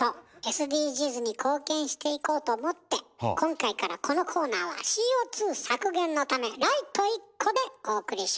ＳＤＧｓに貢献していこうと思って今回からこのコーナーはＣＯ削減のためライト１個でお送りします。